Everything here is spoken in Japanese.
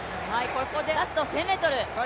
ここでラスト１０００ｍ。